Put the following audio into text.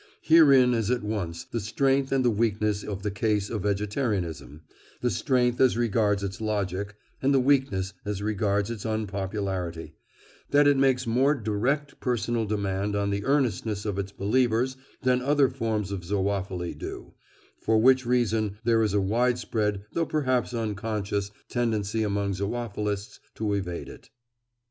Herein is at once the strength and the weakness of the case for vegetarianism—the strength as regards its logic, and the weakness as regards its unpopularity—that it makes more direct personal demand on the earnestness of its believers than other forms of zoophily do; for which reason there is a widespread, though perhaps unconscious, tendency among zoophilists to evade it.